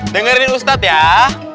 dengar ini ustadzah ya